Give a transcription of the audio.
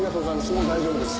もう大丈夫です。